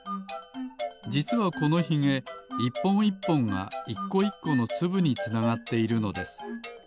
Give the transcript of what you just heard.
じつはこのひげ１ぽん１ぽんが１こ１このつぶにつながっているのです。